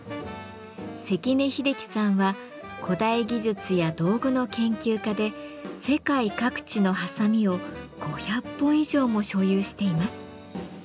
関根秀樹さんは古代技術や道具の研究家で世界各地のはさみを５００本以上も所有しています。